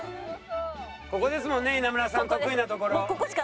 ここですもんね稲村さん得意なところ。